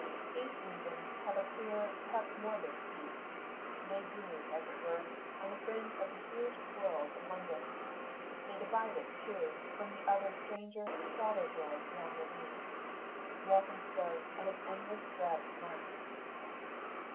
These regions have a queer, perhaps morbid, peace; they brood, as it were, on the fringe of the huge world of London; they divide it, too, from that other stranger, sadder world beyond the Lea, Walthamstow and its endless drab slums.